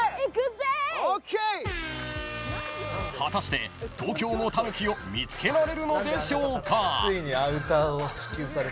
［果たして東京のタヌキを見つけられるのでしょうか］